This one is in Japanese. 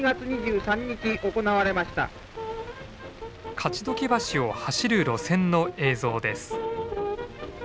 勝鬨橋を走る路線の映像です。